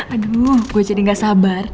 aduh gue jadi gak sabar